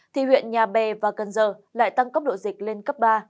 thì huyện nhà bè và cần giờ lại tăng cấp độ dịch lên cấp ba